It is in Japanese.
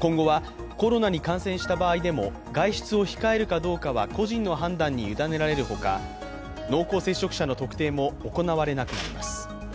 今後はコロナに感染した場合でも外出を控えるかどうかは個人の判断に委ねられるほか、濃厚接触者の特定も行われなくなります。